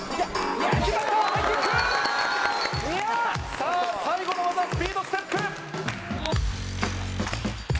さぁ最後の技スピードステップ！